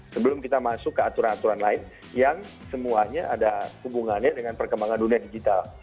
sebelum kita masuk ke aturan aturan lain yang semuanya ada hubungannya dengan perkembangan dunia digital